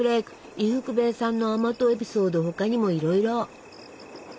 伊福部さんの甘党エピソード他にもいろいろ！